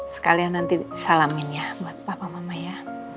sekalian nanti salamin ya buat papa mama ya